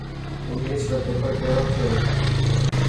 انگلش رو پيپر ڪهڙو ٿيو.